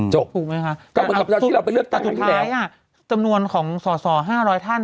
จบถูกไหมครับอันทุกท้ายนี้อ่ะจำนวนของสอสอ๕๐๐ท่าน